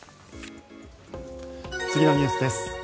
次のニュースです。